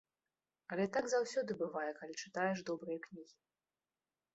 Але так заўсёды бывае, калі чытаеш добрыя кнігі.